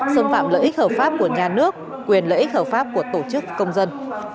xâm phạm lợi ích hợp pháp của nhà nước quyền lợi ích hợp pháp của tổ chức công dân